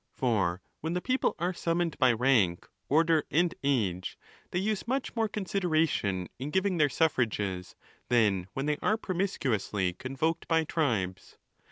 For when the people are summoned by rank, order, and age, they use much more consideration in giving their suffrages, than when they are promiscuously convoked by tribes.